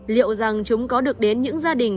liệu rằng chúng có được đến những gia đình